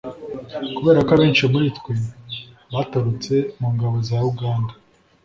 kubera ko abenshi muri twe batorotse mu ngabo za uganda,